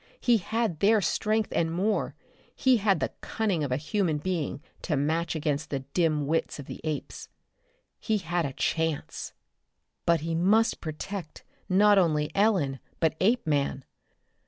He had their strength and more he had the cunning of a human being to match against the dim wits of the apes. He had a chance. But he must protect not only Ellen, but Apeman.